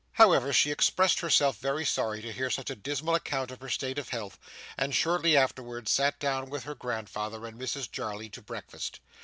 However, she expressed herself very sorry to hear such a dismal account of her state of health, and shortly afterwards sat down with her grandfather and Mrs Jarley to breakfast.